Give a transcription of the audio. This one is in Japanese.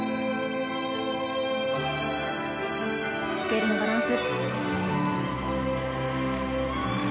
スケールのバランス。